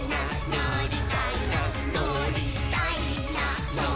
「のりたいなのりたいな」